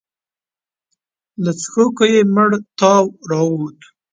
له څوښکي يې مړ تاو راووت.